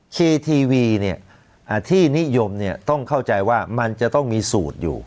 ทีทีวีที่นิยมต้องเข้าใจว่ามันจะต้องมีสูตรอยู่